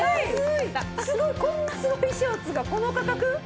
こんなすごいショーツがこの価格？